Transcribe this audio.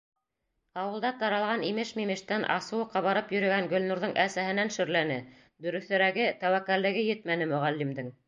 Ауылда таралған имеш-мимештән асыуы ҡабарып йөрөгән Гөлнурҙың әсәһенән шөрләне, дөрөҫөрәге, тәүәккәллеге етмәне Мөғәллимдең.